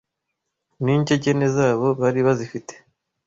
N’ingegene zabo bari bazifite